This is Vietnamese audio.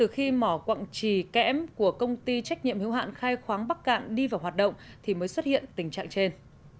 khi mỏ quặng trì kẽm của công ty trách nhiệm hiếu hạn khai khoáng bắc cạn đi vào hoạt động thì mới xuất hiện tình trạng trên